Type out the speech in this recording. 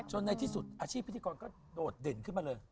ในที่สุดอาชีพพิธีกรก็โดดเด่นขึ้นมาเลย